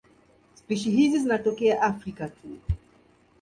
Spishi hizi zinatokea Afrika tu.